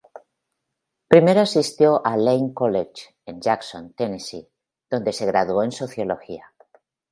Primero asistió a Lane College en Jackson, Tennessee, donde se graduó en Sociología.